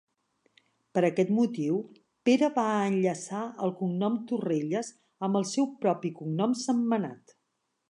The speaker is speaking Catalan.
Per aquest motiu, Pere va enllaçar el cognom Torrelles amb el seu propi cognom Sentmenat.